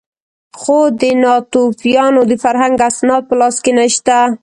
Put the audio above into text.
خو د ناتوفیانو د فرهنګ اسناد په لاس کې نه شته.